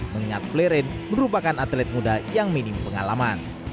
mengingat fleren merupakan atlet muda yang minim pengalaman